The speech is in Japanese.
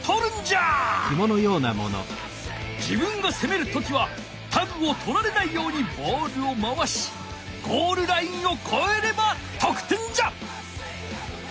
自分がせめる時はタグをとられないようにボールを回しゴールラインをこえればとく点じゃ。